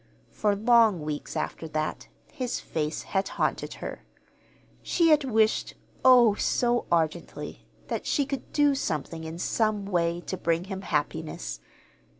For long weeks after that, his face had haunted her. She had wished, oh, so ardently, that she could do something in some way to bring him happiness.